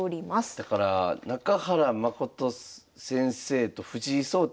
だから中原誠先生と藤井聡太